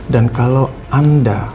dan kalau anda